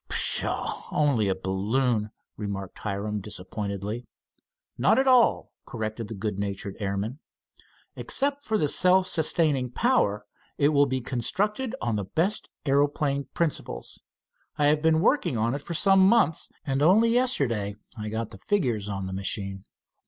"Pshaw! only a balloon!" remarked Hiram disappointedly. "Not at all," corrected the good natured airman. "Except for the self sustaining power, it will be constructed on the best aeroplane principles. I have been working on it for some months, and only yesterday I got figures on the machine."